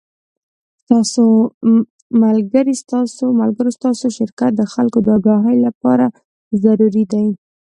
ملګرو ستاسو شرکت د خلکو د اګاهۍ له پاره ضروري دے